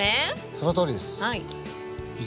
そのとおりです。